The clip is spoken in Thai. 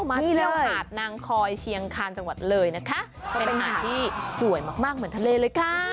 เมียงคานจังหวัดเลยนะคะเป็นอาหารที่สวยมากเหมือนทะเลเลยค่ะ